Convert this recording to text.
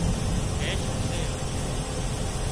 بينشُون سي